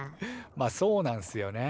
まあそうなんすよね。